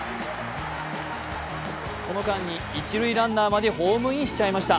この間に、一塁ランナーまでホームインしちゃいました。